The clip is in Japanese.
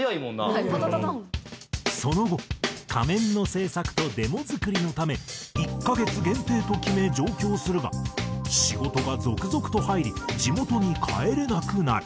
その後仮面の制作とデモ作りのため１カ月限定と決め上京するが仕事が続々と入り地元に帰れなくなる。